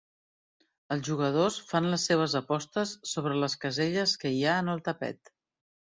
Els jugadors fan les seves apostes sobre les caselles que hi ha en el tapet.